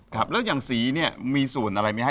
ครับแล้วอย่างสีเนี่ยมีสูญอะไรมั้ยฮะ